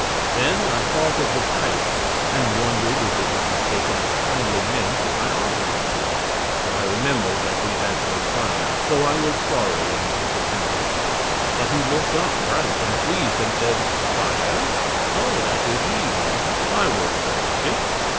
Then I thought of the pipe, and wondered if it would be taken as kindly meant if I offered it to him. But I remembered that we had no fire, so I was sorry and disappointed. But he looked up bright and pleased, and said: "Fire? Oh, that is easy; I will furnish it."